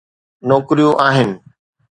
نوڪريون آهن.